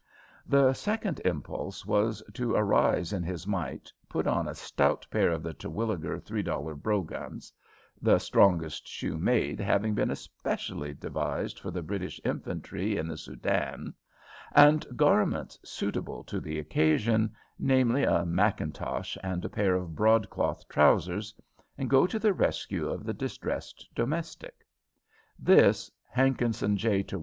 The second impulse was to arise in his might, put on a stout pair of the Terwilliger three dollar brogans the strongest shoe made, having been especially devised for the British Infantry in the Soudan and garments suitable to the occasion, namely, a mackintosh and pair of broadcloth trousers, and go to the rescue of the distressed domestic. This Hankinson J.